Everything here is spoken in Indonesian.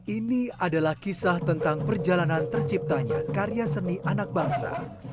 ini adalah kisah tentang perjalanan terciptanya karya seni anak bangsa